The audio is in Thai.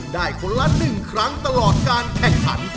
คนละ๑ครั้งตลอดการแข่งขัน